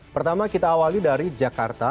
pertama kita awali dari jakarta